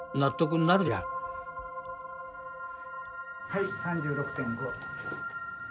・はい３６．５。